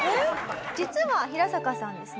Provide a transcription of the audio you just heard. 実はヒラサカさんですね